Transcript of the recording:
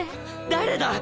誰だ！